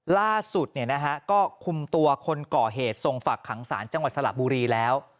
ล่าสุดก็คุมตัวคนก่อเหตุส่งฝักขังศาลจังหวัดสระบุรีแล้ว